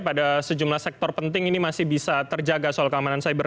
pada sejumlah sektor penting ini masih bisa terjaga soal keamanan cyber